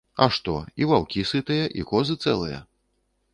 А што, і ваўкі сытыя, і козы цэлыя.